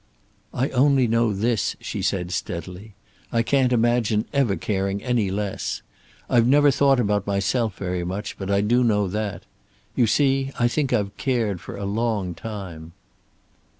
"I only know this," she said steadily. "I can't imagine ever caring any less. I've never thought about myself very much, but I do know that. You see, I think I've cared for a long time."